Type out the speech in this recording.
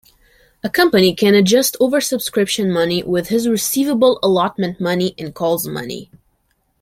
A company can adjust over-subscription money with his receivable allotment money and calls money.